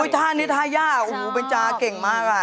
ทานิทายาโอ้โหเป็นจาเก่งมาก